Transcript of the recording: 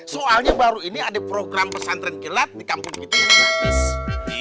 soalnya baru ini ada program pesantren kilat di kampung kita yang gratis